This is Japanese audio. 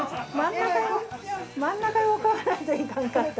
真ん中へ置かないといかんかった。